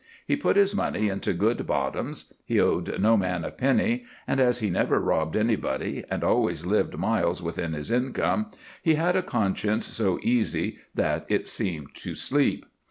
He put his money into good bottoms; he owed no man a penny; and as he never robbed anybody and always lived miles within his income, he had a conscience so easy that it seemed to sleep.